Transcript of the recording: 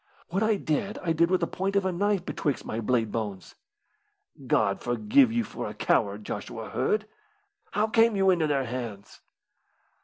"What I did I did with the point of a knife betwixt my blade bones." "God forgive you for a coward, Joshua Hird. How came you into their hands?"